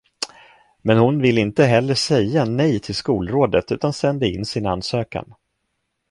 Men hon ville inte heller säga nej till skolrådet utan sände in sin ansökan.